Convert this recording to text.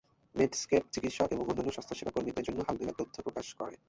মেডস্কেপ চিকিৎসক এবং অন্যান্য স্বাস্থ্যসেবা কর্মীদের জন্য হালনাগাদ তথ্য প্রদান করে।